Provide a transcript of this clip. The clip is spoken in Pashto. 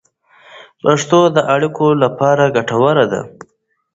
پښتو د اړیکو لپاره ګټوره ده.